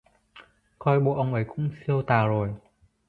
Coi bộ ông ấy cũng xiêu tào rồi